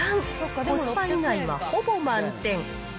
コスパ以外はほぼ満点。